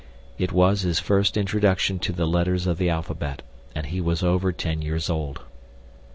It was his first introduction to the letters of the alphabet, and he was over ten years old.